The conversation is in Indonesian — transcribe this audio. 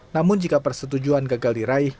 namun jika persetujuan gagal diraih